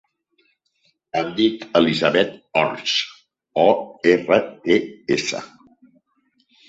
Em dic Elisabeth Orts: o, erra, te, essa.